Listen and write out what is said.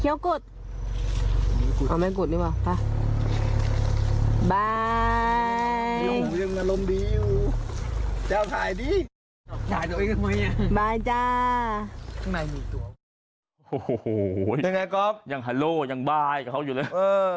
ยังไงกรอบยังฮัลโหลยังบายกับเขาอยู่เลย